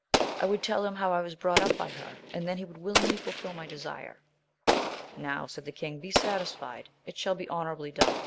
I would tell him how I was brought up by her, and then he would willingly fulfil my desire. Now, said the king, be satisfied, it shall be honourably done.